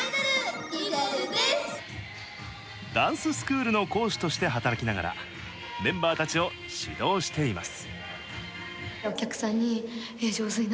ダンススクールの講師として働きながら、メンバーたちを指導しています。